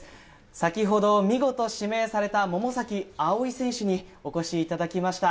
先ほど見事指名された百崎蒼生選手にお越しいただきました。